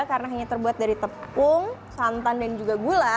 karena hanya terbuat dari tepung santan dan juga gula